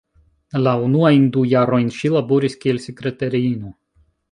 La unuajn du jarojn ŝi laboris kiel sekretariino.